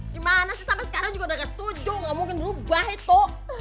di mana sih sampai sekarang juga udah gak setuju gak mungkin berubah itu